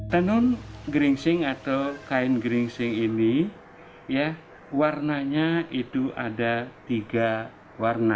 tenun geringsing atau kain geringsing ini ya warnanya itu ada tiga warna